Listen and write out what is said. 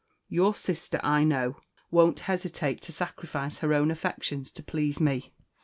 Your sister, I know, won't hesitate to sacrifice her own affections to please me.